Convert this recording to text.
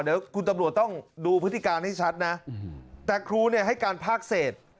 เดี๋ยวคุณตำรวจต้องดูพฤติการให้ชัดนะแต่ครูเนี่ยให้การภาคเศษ